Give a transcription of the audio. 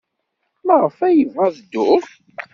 Maɣef ay yebɣa ad dduɣ?